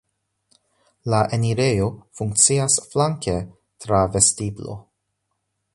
La enirejo funkcias flanke tra vestiblo.